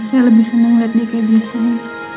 saya lebih seneng liat dia kayak biasanya